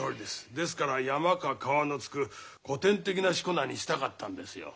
ですから山か川の付く古典的な四股名にしたかったんですよ。